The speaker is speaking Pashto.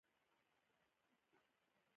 د مسکینانو لاسنیوی لوی عبادت دی.